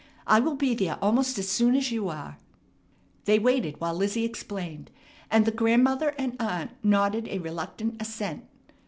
I will be there almost as soon as you are." They waited while Lizzie explained, and the grandmother and aunt nodded a reluctant assent.